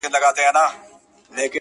• حقيقت ورو ورو ښکاره کيږي تل,